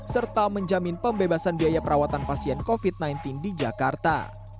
serta menjamin pembebasan biaya perawatan pasien covid sembilan belas di jakarta